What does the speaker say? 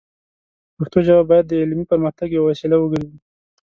پښتو ژبه باید د علمي پرمختګ یوه وسیله وګرځي.